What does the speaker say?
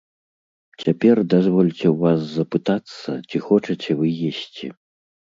Цяпер дазвольце ў вас запытацца, ці хочаце вы есці.